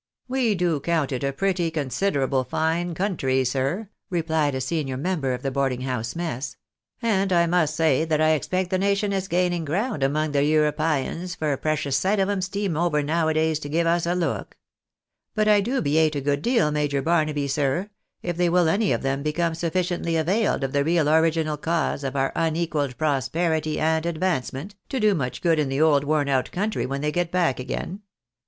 " We do count it a pretty considerable fine coimtry, sir," replied a senior member of the boarding house mess ;" and I must say that I expect the nation is gaining ground among the Euro pyans, for a precious sight of 'em steam over nowadays to give us THE MAJOR IS BATHER UNPATRIOTIC. 267 a look. But I dubiate, a good deal, Major Barnaby, sir, if they will any of tbem become sufficiently availed of the real original cause of our unequalled prosperity and advancement, to do much good in the old worn out country when they get back again.